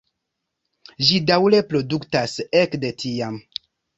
Ĝi daŭre produktas ekde tiam.